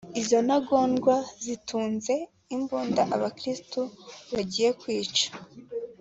Izo ntagondwa zitunze imbunda abakirisitu bagiye kwicwa